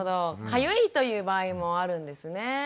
かゆいという場合もあるんですね。